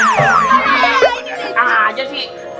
nah aja sih